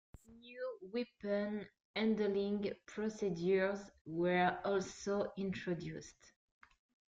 New weapon handling procedures were also introduced.